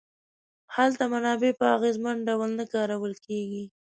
هلته منابع په اغېزمن ډول نه کارول کیږي.